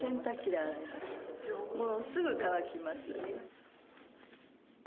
もうすぐ乾きます。